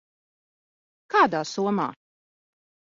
Kādā somā?